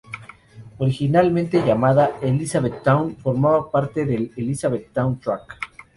Originalmente llamada Elizabethtown, formaba parte del Elizabethtown Tract.